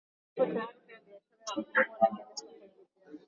ulikuwepo tayari pia biashara ya watumwa Lakini soko jipya